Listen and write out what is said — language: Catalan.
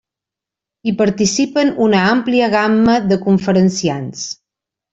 Hi participen una àmplia gamma de conferenciants.